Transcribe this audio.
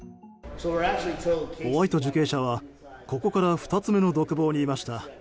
ホワイト受刑者はここから２つ目の独房にいました。